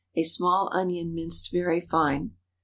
A small onion minced very fine.